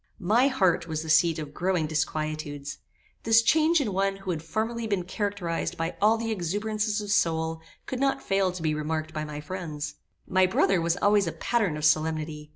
My heart was the seat of growing disquietudes. This change in one who had formerly been characterized by all the exuberances of soul, could not fail to be remarked by my friends. My brother was always a pattern of solemnity.